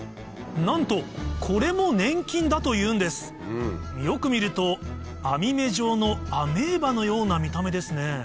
なんとこれも粘菌だというんですよく見ると網目状のアメーバのような見た目ですね